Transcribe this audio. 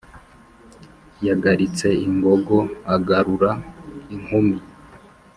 yagaritse ingogo agarura inkumi,